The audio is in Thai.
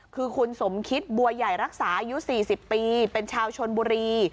คือคุณสมคิดบัวใหญ่รักษาอายุ๔๐ปีเป็นชาวชนบุรี